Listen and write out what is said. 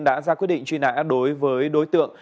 đã ra quyết định truy nã đối với đối tượng